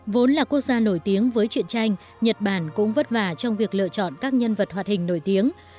vốn là quốc gia nổi tiếng với chuyện tranh nhật bản cũng vất vả trong việc lựa chọn các nhân vật hoạt hình nổi tiếng